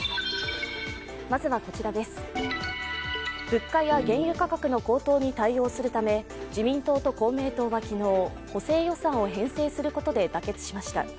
物価や原油価格の高騰に対応するため自民党と公明党は昨日、補正予算を編成することで妥結しました。